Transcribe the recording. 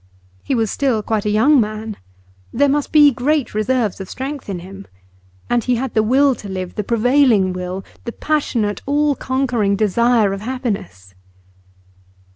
He was still quite a young man; there must be great reserves of strength in him. And he had the will to live, the prevailing will, the passionate all conquering desire of happiness.